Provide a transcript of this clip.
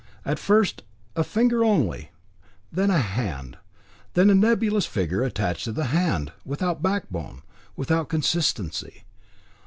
At first a finger only, then a hand, then a nebulous figure attached to the hand, without backbone, without consistency.